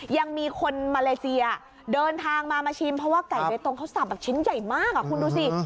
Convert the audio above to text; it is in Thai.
ยังมีคนมาเลเซียเดินทางมามาชิมเพราะว่าไก่เบตงเขาสับแบบชิ้นใหญ่มากคุณดูสิ